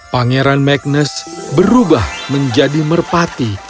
pangeran magnes berubah menjadi merpati